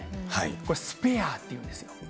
これ、スペアっていうんですよ。